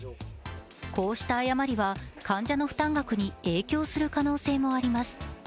こうした誤りは、患者の負担額に影響する可能性もあります。